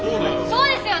そうですよ！